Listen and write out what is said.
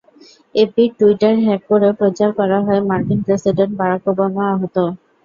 এপির Twitter hack করে প্রচার করা হয় মার্কিন প্রেসিডেন্ট বারাক ওবামা আহত।